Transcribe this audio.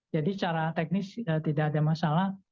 jadi secara teknis tidak ada masalah